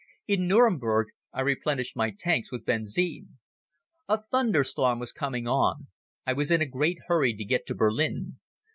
In Nuremberg I replenished my tanks with benzine. A thunderstorm was coming on. I was in a great hurry to get to Berlin.